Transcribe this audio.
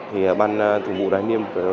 thì ban thủng vụ đoàn thanh niên